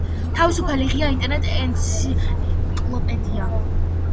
თავისუფალი ღია ინტერნეტ-ენციკლოპედია.